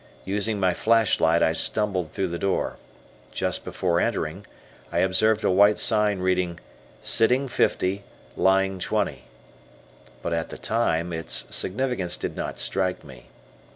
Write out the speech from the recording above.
Using my flashlight I stumbled through the door. Just before entering I observed a white sign reading: "Sitting 50, lying 20," but, at the time, its significance did not strike me.